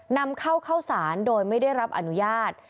นำเข้าเข้าสารโดยไม่ได้รับอนุญาต